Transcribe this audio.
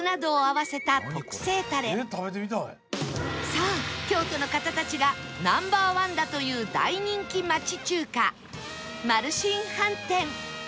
さあ京都の方たちがナンバーワンだという大人気町中華マルシン飯店